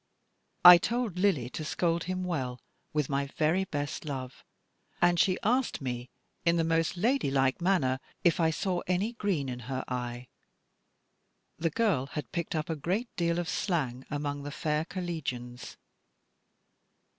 I told Lily to scold him well, with my very best love, and she asked me in the most ladylike manner, if I saw any green in her eye. The girl had picked up a great deal of slang among the fair collegians.